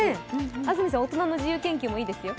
安住さん、大人の自由研究もいいですよ。